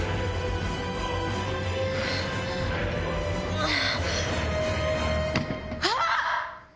あっ‼